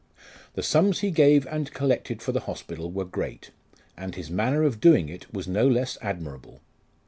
The sums he gave and collected for the Hospital were great, and his manner of doing it was no less admirable.